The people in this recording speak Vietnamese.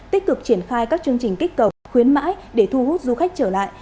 tích cực triển khai các chương trình kích cầu khuyến mãi để thu hút du khách trở lại